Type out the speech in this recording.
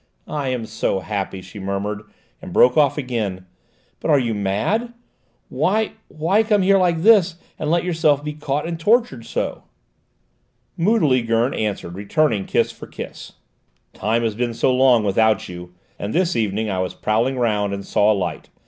"I am so happy!" she murmured, and broke off again. "But you are mad! Why, why come here like this, and let yourself be caught and tortured so?" Moodily Gurn answered, returning kiss for kiss. "Time has been so long without you! And this evening I was prowling round and saw a light.